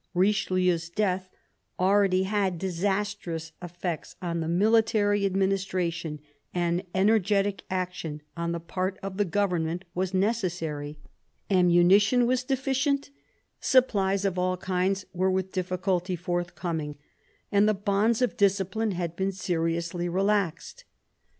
Richelieu's death already had disastrous effects on the military administration, and energetic action on the part of the government was necessary. Ammunition I THE EARLY YEARS OF MAZARIN'S MINISTRY 5 was deficient, supplies of all kinds were with diflBculty forthcoming, and the bonds of discipline had been seriously relaxed.